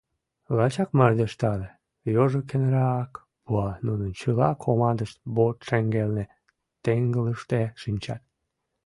Лачак мардеж тале, йожекынрак пуа, нунын чыла командышт борт шеҥгелне, теҥгылыште шинчат.